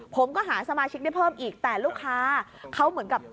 ผมก็หาสมาชิกได้เพิ่มอีกแต่ลูกค้าเขาเหมือนกับ